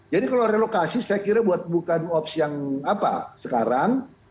jadi kalau relokasi saya kira bukan opsi yang apa sekarang